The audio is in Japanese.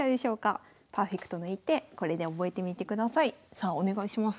さあお願いします。